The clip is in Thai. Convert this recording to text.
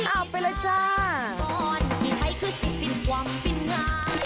อ้าวไปเลยจ้า